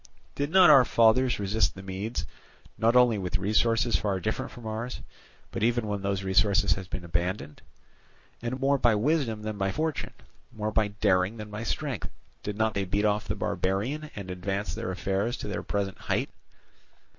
Did not our fathers resist the Medes not only with resources far different from ours, but even when those resources had been abandoned; and more by wisdom than by fortune, more by daring than by strength, did not they beat off the barbarian and advance their affairs to their present height?